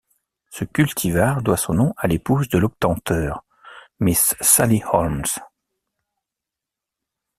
Ce cultivar doit son nom à l'épouse de l'obtenteur, Mrs Sally Holmes.